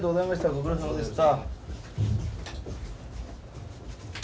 ご苦労さまでした。